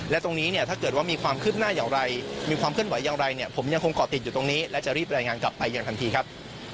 และตรงนี้เนี่ยถ้าเกิดว่ามีความคืบหน้าอย่างไรมีความเคลื่อนไหวอย่างไรเนี่ยผมยังคงเกาะติดอยู่ตรงนี้และจะรีบรายงานกลับไปอย่างทันทีครับ